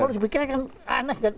kalau dibikin kan aneh kan